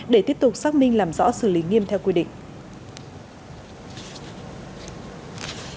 để tiếp tục xác minh làm rõ xử lý nghiêm theo quy định